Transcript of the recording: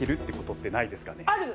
ある。